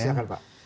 boleh siapkan pak